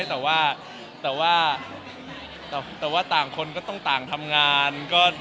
แต่ว่าแต่ว่าต่างคนก็ต้องต่างทำงาน